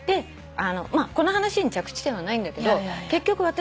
この話に着地点はないんだけど結局私ね